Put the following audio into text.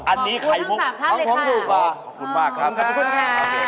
อันนี้ใครมุกของผมถูกกว่าอ๋อขอบคุณมากครับขอบคุณค่ะขอบคุณค่ะขอบคุณค่ะ